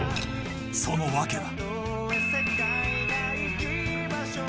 その訳は。